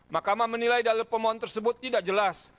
mahkamah menilai dalil pemohon tersebut tidak jelas